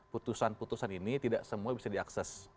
putusan putusan ini tidak semua bisa diakses